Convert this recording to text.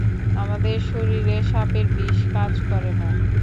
আমাদের শরীরে সাপের বিষ কাজ করে না।